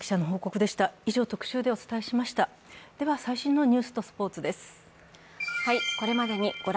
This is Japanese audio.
では最新のニュースとスポーツです。